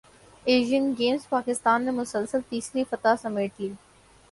Asian Games Pakistan نے مسلسل تیسری فتح سمیٹ لی